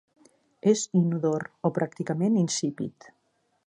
És inodor o pràcticament insípid.